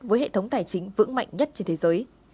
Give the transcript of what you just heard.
với hệ thống tài chính vững mạnh nhất trên thế giới